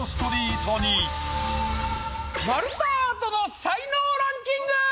丸太アートの才能ランキング！